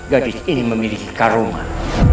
gadis ini memiliki karungan